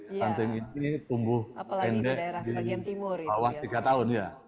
stunting ini tumbuh pendek di bawah tiga tahun ya